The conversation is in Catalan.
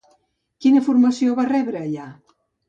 Quina formació va rebre allà?